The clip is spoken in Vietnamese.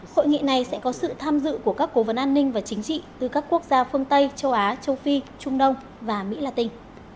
hội nghị này sẽ có sự tham dự của các cố vấn an ninh và chính trị từ các quốc gia phương tây châu á châu phi trung đông và mỹ latin